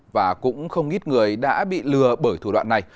và cũng không ít người đã bị lừa bởi thủ đoạn này